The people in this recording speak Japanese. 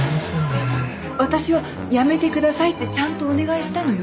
私は「やめてください」ってちゃんとお願いしたのよ。